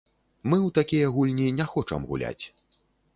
Мы ў такія гульні не хочам гуляць.